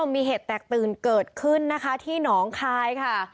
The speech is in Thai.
มีเหตุแตกตื่นเกิดขึ้นนะคะที่หนองคายค่ะ